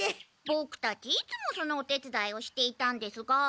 ボクたちいつもそのお手つだいをしていたんですが。